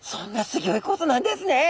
ギョいことなんですね。